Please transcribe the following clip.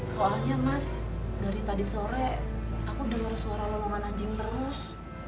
soalnya mas dari tadi sore aku dengar suara lolongan anjing terus